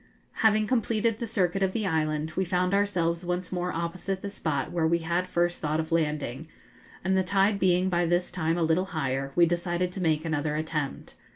Having completed the circuit of the island, we found ourselves once more opposite the spot where we had first thought of landing, and the tide being by this time a little higher, we decided to make another attempt.